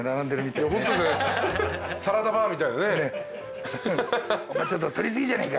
サラダバーみたいなね。